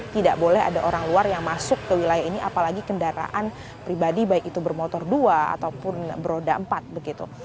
tidak boleh ada orang luar yang masuk ke wilayah ini apalagi kendaraan pribadi baik itu bermotor dua ataupun beroda empat begitu